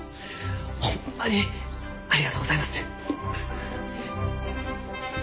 ホンマにありがとうございます。